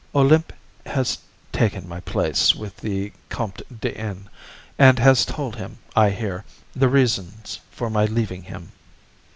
Olympe has taken my place with the Comte de N., and has told him, I hear, the reasons for my leaving him.